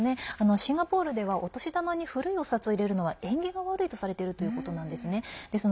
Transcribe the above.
シンガポールではお年玉に古いお札を入れるのは縁起が悪いとされているということなんですね。